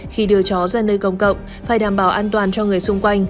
khi đưa chó ra nơi công cộng phải đảm bảo an toàn cho người xung quanh